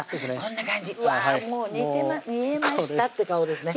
もう煮えましたって顔ですね